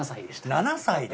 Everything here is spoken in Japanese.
７歳で？